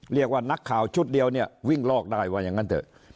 เรียกว่านักข่าวชุดเดียวเนี่ยวิ่งลอกได้ว่าอย่างนั้นเถอะ